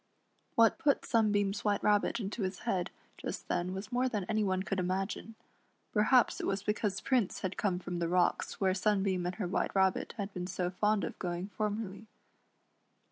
What put Sunbeam's White Rabbit into his head just then was more than any one could imagine. Perhaps it was because Prince had come from the rocks where Sunbeam and her White Rabbit had been so fond cf going formerly.